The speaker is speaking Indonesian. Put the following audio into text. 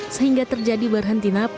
sehingga dia berkata